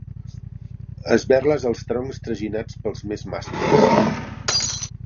Esberles els troncs traginats pels més mascles.